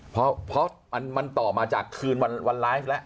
เพราะมันต่อมาจากคืนวันไลฟ์แล้ว